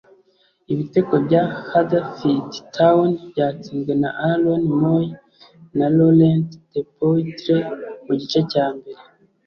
Ibitego bya Huddersfield Town byatsinzwe na Aaron Mooy na Laurent Depoitre mu gice cya mbere